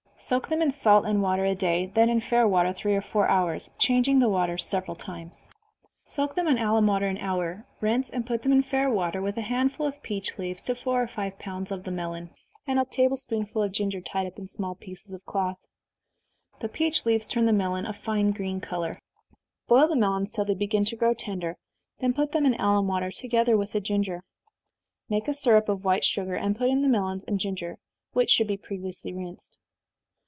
Soak them in salt and water a day, then in fair water three or four hours, changing the water several times. Soak them in alum water an hour rinse and put them in fair water, with a handful of peach leaves to four or five pounds of the melon, and a table spoonful of ginger, tied up in small pieces of cloth. The peach leaves turn the melon a fine green color. Boil the melons till they begin to grow tender, then put them in alum water, together with the ginger. Make a syrup of white sugar, and put in the melons and ginger, (which should be previously rinsed.)